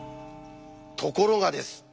ところがです。